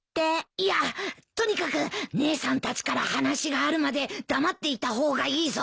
いやとにかく姉さんたちから話があるまで黙っていた方がいいぞ。